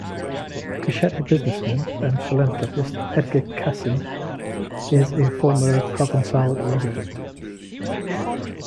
Coushatta businessman and philanthropist Edgar Cason is a former Provencal resident.